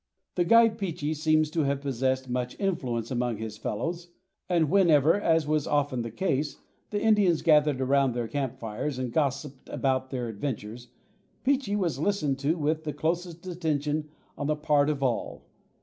The guide Peechee seems to have possessed much influence among his fellows, and whenever, as was often the case, the Indians gathered around their camp fires and gossiped about their adventures, Peechee was listened to with the closest attention on the part of all.